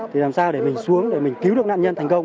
thì làm sao để mình xuống để mình cứu được nạn nhân thành công